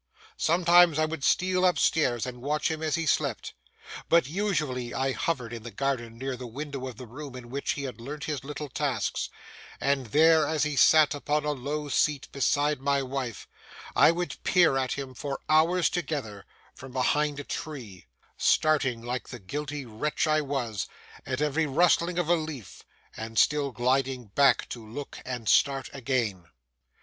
Sometimes I would steal up stairs and watch him as he slept; but usually I hovered in the garden near the window of the room in which he learnt his little tasks; and there, as he sat upon a low seat beside my wife, I would peer at him for hours together from behind a tree; starting, like the guilty wretch I was, at every rustling of a leaf, and still gliding back to look and start again.